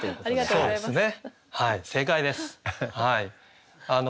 そうですね。